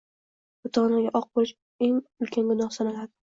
ota-onaga oq bo‘lish esa ulkan gunoh sanaladi.